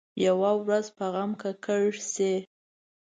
یوه ورځ به په غم ککړ شي.